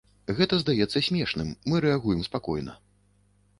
Гэта здаецца смешным, мы рэагуем спакойна.